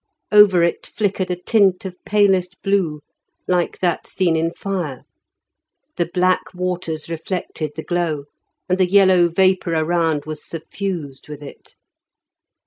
Over it flickered a tint of palest blue, like that seen in fire. The black waters reflected the glow, and the yellow vapour around was suffused with it.